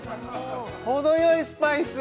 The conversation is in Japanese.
ほどよいスパイス！